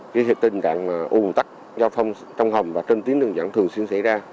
cái thiệt tình trạng uồn tắc giao thông trong hầm và trên tuyến đường dẫn thường xuyên xảy ra